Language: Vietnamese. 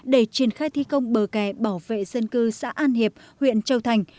để triển khai thi công bờ kè bảo vệ dân cư xã an hiệp huyện châu thành